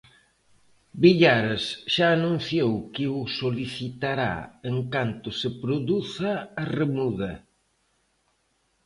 Villares xa anunciou que o solicitará en canto se produza a remuda.